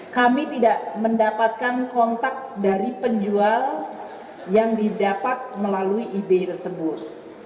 kami tidak mendapatkan kontak dari penjual yang didapat melalui ide tersebut